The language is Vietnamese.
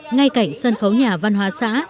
ngay cảnh sân khấu nhà văn hóa xã